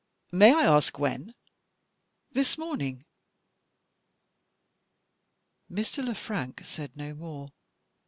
"May I ask when?" "This morning." Mr. Le Frank said no more.